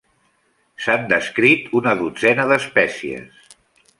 S'han descrit una dotzena d'espècies.